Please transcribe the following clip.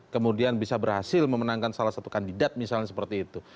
kemudian bisa berhasil memenangkan salah satu kandidat misalnya seperti itu